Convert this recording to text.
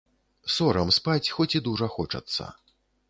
Сорам спаць, хоць і дужа хочацца.